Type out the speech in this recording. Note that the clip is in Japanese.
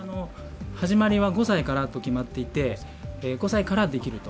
始まりは５歳からと決まっていて５歳からできる。